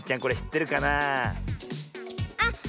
これしってるかなあ。